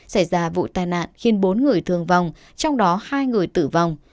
xảy ra vụ tai nạn khiến bốn người thương vong trong đó hai người tử vong